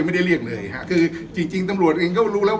ไม่ได้เรียกเลยฮะคือจริงจริงตำรวจเองก็รู้แล้ว